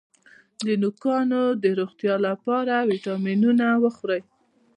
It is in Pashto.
د نوکانو د روغتیا لپاره ویټامینونه وخورئ